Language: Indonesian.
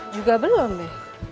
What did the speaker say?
juga belum be